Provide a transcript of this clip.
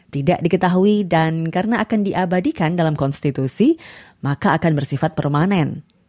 tidak diketahui dan karena akan diabadikan dalam konstitusi maka akan bersifat permanen